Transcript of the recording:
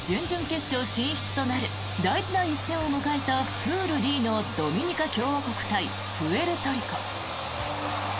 勝ったほうが準々決勝進出となる大事な一戦を迎えたプールＤのドミニカ共和国対プエルトリコ。